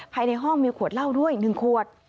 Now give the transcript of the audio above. ภายในห้องมีขวดเหล้าด้วย๑ขวด